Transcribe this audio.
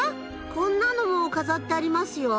こんなのも飾ってありますよ。